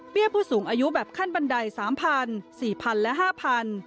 เบี้ยผู้สูงอายุแบบขั้นบันไดสามพันสี่พันและห้าพัน